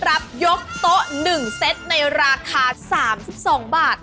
รับยกโต๊ะ๑เซตในราคา๓๒บาท